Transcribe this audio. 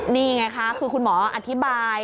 นี่ไงคะคือคุณหมออธิบาย